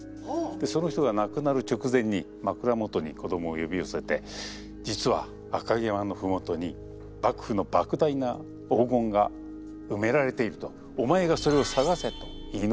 その人が亡くなる直前に枕元に子供を呼び寄せて「実は赤城山の麓に幕府のばく大な黄金が埋められている」と「お前がそれを探せ」と言い残したわけですね。